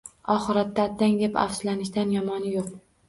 Oxiratda attang deb afsuslanishdan yomoni yo‘q.